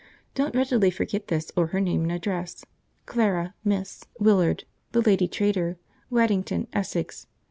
Don't readily forget this or her name and address, Clara (Miss) Willard (the Lady Trader), Waddington, Essex.